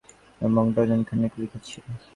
এবং ডজনখানেক লিখেছি।